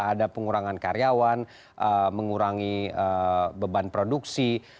ada pengurangan karyawan mengurangi beban produksi